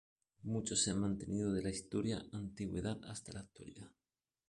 Muchos se han mantenido desde la Historia antigüedad hasta la actualidad.